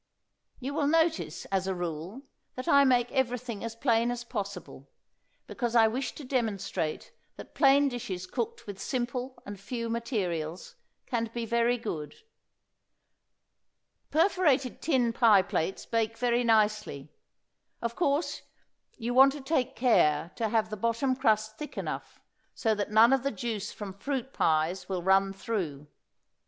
You will notice, as a rule, that I make everything as plain as possible, because I wish to demonstrate that plain dishes cooked with simple and few materials, can be very good. Perforated tin pie plates bake very nicely. Of course you want to take care to have the bottom crust thick enough, so that none of the juice from fruit pies will run through.